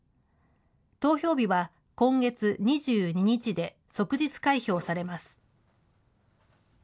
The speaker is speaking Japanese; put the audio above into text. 投票日は今月２２日で、即日開票されます。